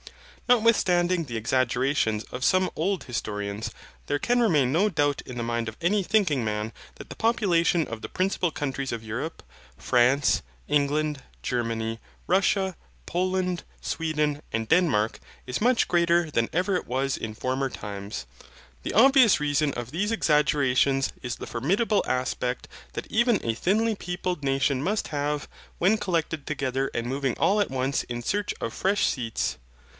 Notwithstanding the exaggerations of some old historians, there can remain no doubt in the mind of any thinking man that the population of the principal countries of Europe, France, England, Germany, Russia, Poland, Sweden, and Denmark is much greater than ever it was in former times. The obvious reason of these exaggerations is the formidable aspect that even a thinly peopled nation must have, when collected together and moving all at once in search of fresh seats.